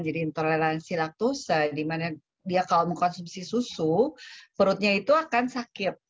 jadi intoleransi laktosa di mana dia kalau mengkonsumsi susu perutnya itu akan sakit